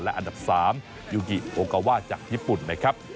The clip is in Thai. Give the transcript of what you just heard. อันดับ๓ยูกิโอกาว่าจากญี่ปุ่นนะครับ